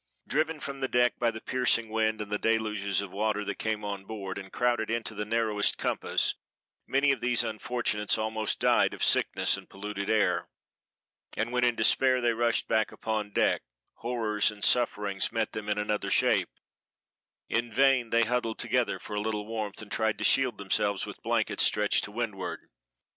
Driven from the deck by the piercing wind and the deluges of water that came on board, and crowded into the narrowest compass, many of these unfortunates almost died of sickness and polluted air; and when in despair they rushed back upon deck, horrors and suffering met them in another shape; in vain they huddled together for a little warmth and tried to shield themselves with blankets stretched to windward.